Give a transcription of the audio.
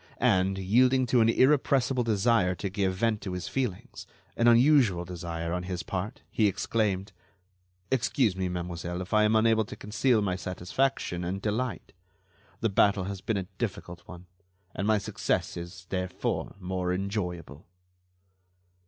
And, yielding to an irrepressible desire to give vent to his feelings—an unusual desire on his part—he exclaimed: "Excuse me, mademoiselle, if I am unable to conceal my satisfaction and delight. The battle has been a difficult one, and my success is, therefore, more enjoyable."